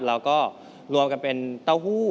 แล้วก็รวมกันเป็นเต้าหู้